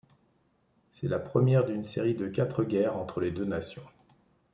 C'est la première d'une série de quatre guerres entre les deux nations.